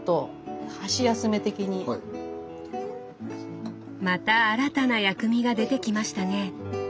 また新たな薬味が出てきましたね。